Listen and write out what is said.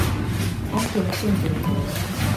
安全性如何